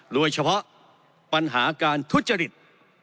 โดยเฉพาะปัญหาการทุจริต